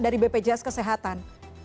dari bpjs kesehatan